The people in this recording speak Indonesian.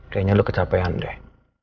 kayaknya lo kecapean deh